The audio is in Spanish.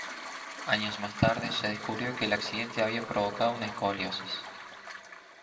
Años más tarde se descubrió que el accidente había provocado una escoliosis.